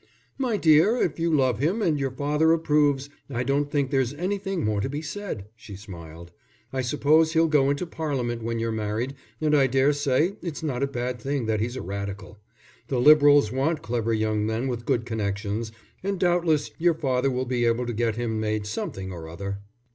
"My dear, if you love him, and your father approves, I don't think there's anything more to be said," she smiled. "I suppose he'll go into Parliament when you're married, and I dare say it's not a bad thing that he's a Radical. The Liberals want clever young men with good connections, and doubtless your father will be able to get him made something or other."